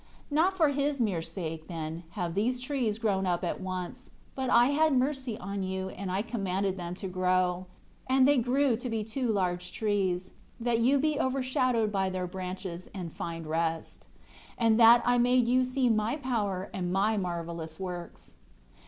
9 Not for his mere sake, then, have these trees grown up at once; but I had mercy on you and I commanded them to grow. And they grew to be two large trees, that you be overshadowed by their branches, and find rest; and that I made you see My power and My marvelous works.